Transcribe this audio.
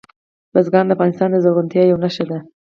بزګان د افغانستان د زرغونتیا یوه نښه ده.